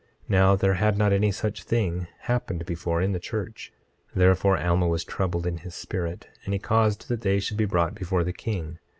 26:10 Now there had not any such thing happened before in the church; therefore Alma was troubled in his spirit, and he caused that they should be brought before the king.